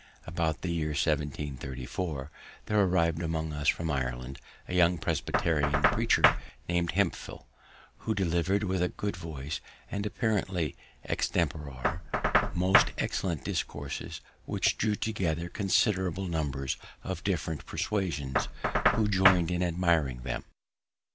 About the year 1734 there arrived among us from Ireland a young Presbyterian preacher, named Hemphill, who delivered with a good voice, and apparently extempore, most excellent discourses, which drew together considerable numbers of different persuasions, who join'd in admiring them.